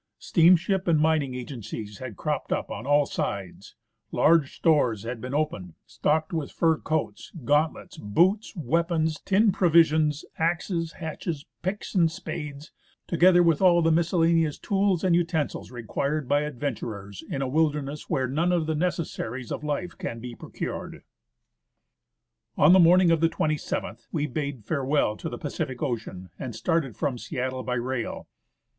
Steamship and mining agencies had cropped up on all sides ; large stores had been opened, stocked with fur coats, gauntlets, boots, weapons, tinned provisions, axes, hatchets, picks and spades, together with all the miscellaneous tools and utensils required by adventurers in a wilderness where none of the necessaries of life can be procured. On the morning of the 27th, we bade farewell to the Pacific Ocean and started from Seattle by rail.